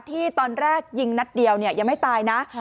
ที่ตอนแรกยิงทั้งเดียวอย่าดูยังไม่ตายนะค่ะ